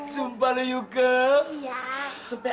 sumpah lo yuka iya